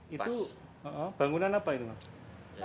itu bangunan apa itu